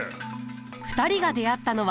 ２人が出会ったのは。